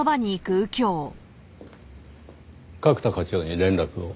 角田課長に連絡を。